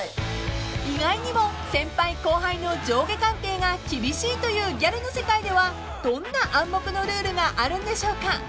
［意外にも先輩後輩の上下関係が厳しいというギャルの世界ではどんな暗黙のルールがあるんでしょうか？］